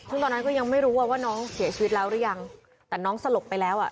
ซึ่งตอนนั้นก็ยังไม่รู้ว่าน้องเสียชีวิตแล้วหรือยังแต่น้องสลบไปแล้วอ่ะ